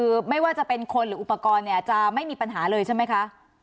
คือไม่ว่าจะเป็นคนหรืออุปกรณ์เนี่ยจะไม่มีปัญหาเลยใช่ไหมคะ